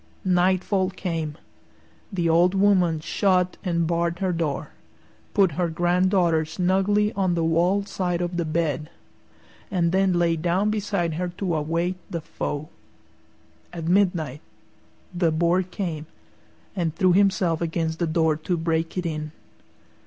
Nightfall came. The old woman shut and barred her door, put her granddaughter snugly on the wall side of the bed, and then lay down beside her to await the foe. At midnight the Boar came and threw himself against the door to break it in.